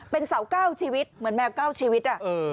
เป็นเสาเก้าชีวิตเหมือนแมวเก้าชีวิต